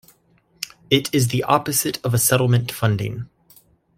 It is the opposite of a settlement funding.